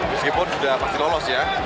meskipun sudah pasti lolos ya